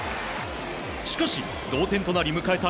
しかし、同点となり迎えた